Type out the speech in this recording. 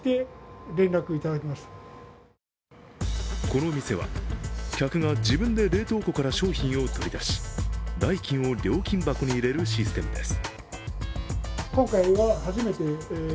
この店は、客が自分で冷凍庫から商品を取り出し代金を料金箱に入れるシステムです。